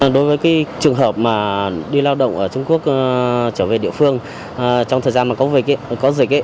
đối với trường hợp đi lao động ở trung quốc trở về địa phương trong thời gian có dịch